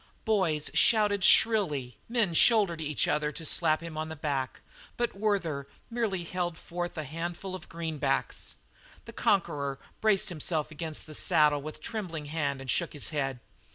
Boys shouted shrilly; men shouldered each other to slap him on the back; but Werther merely held forth the handful of greenbacks. The conqueror braced himself against the saddle with a trembling hand and shook his head.